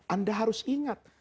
anda harus ingat